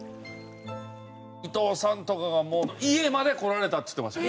伊東さんとかがもう家まで来られたっつってました。